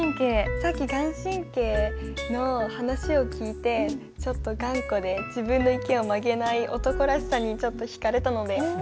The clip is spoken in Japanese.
さっき顔真の話を聞いてちょっと頑固で自分の意見を曲げない男らしさにちょっと引かれたので。